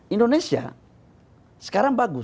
indonesia sekarang bagus